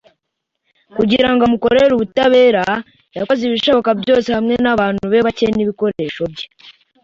Kugira ngo amukorere ubutabera, yakoze ibishoboka byose hamwe n'abantu be bake n'ibikoresho bye.